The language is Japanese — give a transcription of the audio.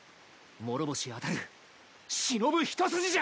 諸星あたるしのぶ一筋じゃ！